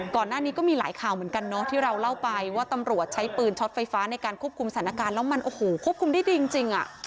ก่อนหน้านี้ก็มีหลายข่าวเหมือนกันเนาะที่เราเล่าไปว่าตำรวจใช้ปืนช็อตไฟฟ้าในการควบคุมสถานการณ์แล้วมันโอ้โหควบคุมได้ดีจริง